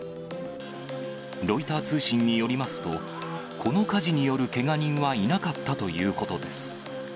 ロイター通信によりますと、この火事によるけが人はいなかったということです。